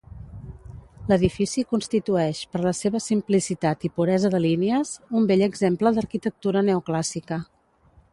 L'edifici constitueix, per la seva simplicitat i puresa de línies, un bell exemple d'arquitectura neoclàssica.